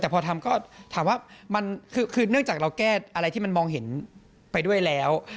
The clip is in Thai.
แต่พอทำก็ถามว่ามันคือเนื่องจากเราแก้อะไรที่มันมองเห็นไปด้วยแล้ว